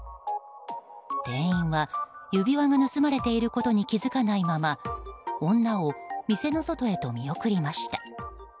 店員は指輪が盗まれていることに気づかないまま女を店の外へと見送りました。